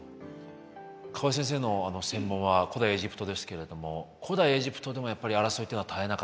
河江先生の専門は古代エジプトですけれども古代エジプトでもやっぱり争いっていうのは絶えなかったんですかね。